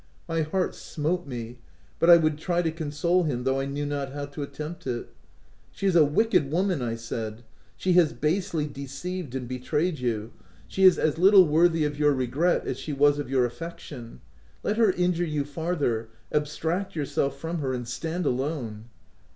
My heart smote me ; but I would try to console him, though I knew not how to attempt it. " She is a wicked woman," I said. " She has basely deceived and betrayed you. She is 8 THE TENANT as little worthy of your regret as she was of your affection. Let her injure you farther : abstract yourself from her, and stand alone."